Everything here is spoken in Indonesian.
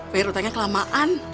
bayar utangnya kelamaan